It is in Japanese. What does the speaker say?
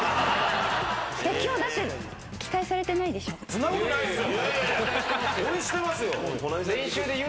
そんなことないっすよ。